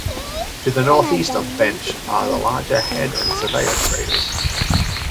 To the northeast of Bench are the larger Head and Surveyor craters.